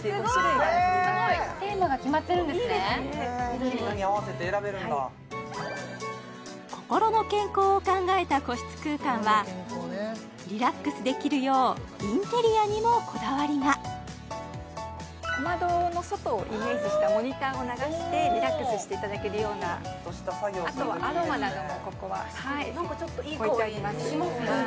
緑がいっぱいあってこころの健康を考えた個室空間はリラックスできるようインテリアにもこだわりが小窓の外をイメージしたモニターを流してリラックスしていただけるようなあとはアロマなどもここは置いてあります